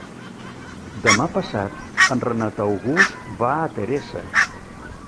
Demà passat en Renat August va a Teresa.